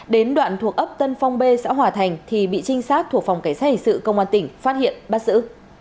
đến đoạn thuộc ấp tân phong b xã hòa thành thì bị trinh sát thuộc phòng cảnh sát hình sự công an tỉnh phát hiện bắt giữ